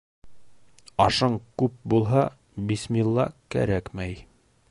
Ашың күп булһа, бисмилла кәрәкмәй.